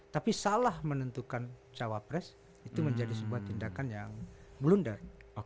tapi salah menentukan cawa pres itu menjadi sebuah tindakan yang melundar